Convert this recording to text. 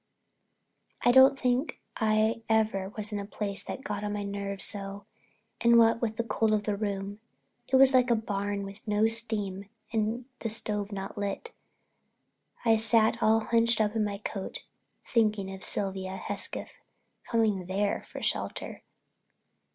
I don't think I ever was in a place that got on my nerves so and what with the cold of the room—it was like a barn with no steam and the stove not lit—I sat all hunched up in my coat thinking of Sylvia Hesketh coming there for shelter!